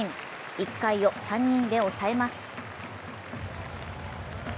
１回を３人で抑えます。